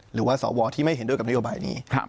หรือว่าสวที่ไม่เห็นด้วยกับนโยบายนี้